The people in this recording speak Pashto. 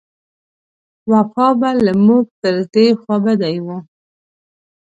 وفا به له موږ پر دې خوابدۍ و.